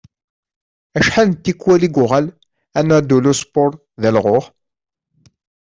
Acḥal n tikal i yuɣal Anadoluspor d alɣuɣ?